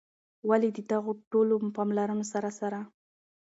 ولي د دغو ټولو پاملرونو سره سره